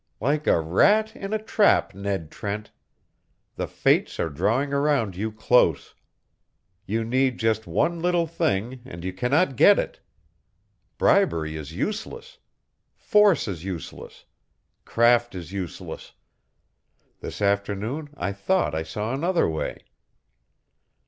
"Like a rat in a trap, Ned Trent! The fates are drawing around you close. You need just one little thing, and you cannot get it. Bribery is useless! Force is useless! Craft is useless! This afternoon I thought I saw another way.